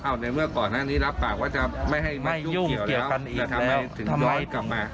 ในเมื่อก่อนหน้านี้รับปากว่าจะไม่ให้ไม่ยุ่งเกี่ยวกันอีกทำไมถึงย้อนกลับมา